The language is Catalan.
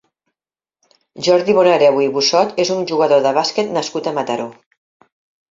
Jordi Bonareu i Bussot és un jugador de basquet nascut a Mataró.